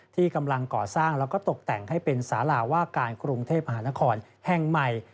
ที่กำลังก่อสร้างแล้วก็ตกแต่งให้เป็นสาราว่าการกรุงเทพมหานครแห่งใหม่